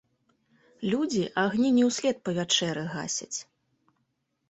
Людзі агні не ўслед па вячэры гасяць.